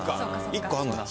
１個あるのか。